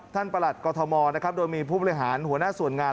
ท่านประหลัดก็อทมโดยมีผู้บริหารหัวหน้าส่วนงาน